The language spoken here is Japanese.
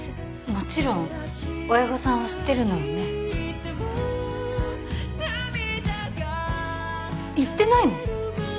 もちろん親御さんは知ってるのよね言ってないの？